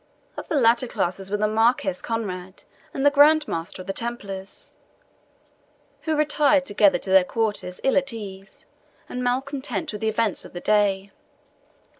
Of the latter class were the Marquis Conrade and the Grand Master of the Templars, who retired together to their quarters ill at ease, and malcontent with the events of the day.